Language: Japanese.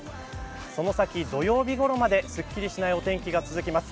その先、土曜日ごろまですっきりしないお天気が続きます。